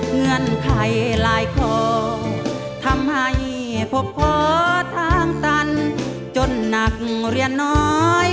เหงื่อนไขลายโครทำให้ภพโปทำสรรจนนักเรียนน้อย